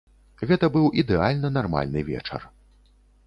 Гэта быў ідэальна нармальны вечар.